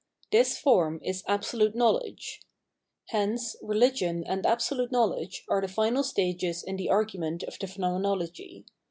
This form is Absolute Knowledge Hence Religion and Absolute Knowledge are the final stages in the argument of the Phenomenology.